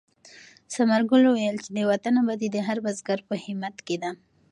ثمر ګل وویل چې د وطن ابادي د هر بزګر په همت کې ده.